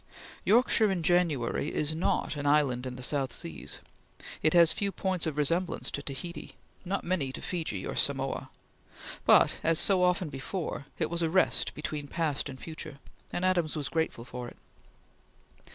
Yorkshire in January is not an island in the South Seas. It has few points of resemblance to Tahiti; not many to Fiji or Samoa; but, as so often before, it was a rest between past and future, and Adams was grateful for it.